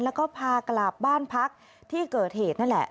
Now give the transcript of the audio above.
แล้วก็พากลับบ้านพักที่เกิดเหตุนั่นแหละ